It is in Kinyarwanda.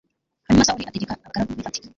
hanyuma sawuli ategeka abagaragu be ati